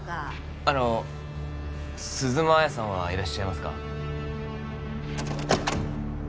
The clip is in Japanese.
あの鈴間亜矢さんはいらっしゃいますか？